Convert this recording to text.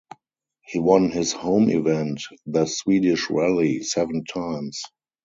He won his home event, the Swedish Rally, seven times.